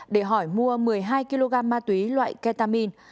để hỏi mua một mươi hai kg ma túy loại ketamin